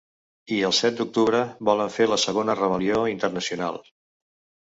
I el set d’octubre volen fer la ‘segona rebel·lió internacional’.